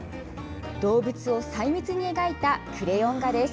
動物を細密に描いたクレヨン画です。